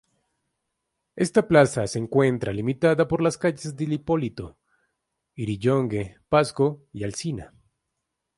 Esta plaza se encuentra limitada por las calles Hipólito Yrigoyen, Pasco y Alsina.